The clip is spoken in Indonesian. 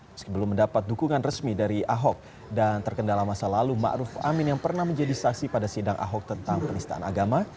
meski belum mendapat dukungan resmi dari ahok dan terkendala masa lalu ⁇ maruf ⁇ amin yang pernah menjadi saksi pada sidang ahok tentang penistaan agama